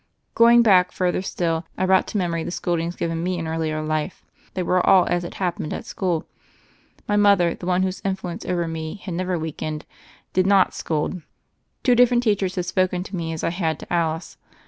Going back further still, I brought to memory the scoldings given me in earlier life. They were all as it happened at school: my mother, the one whose influence over me had never weakened, did not scold. Two different teach ers had spoken to me as I had to Alice.